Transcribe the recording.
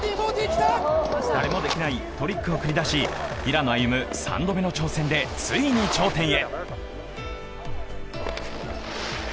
誰もできないトリックを繰り出し、平野歩夢、３度目の挑戦でついに頂点へ。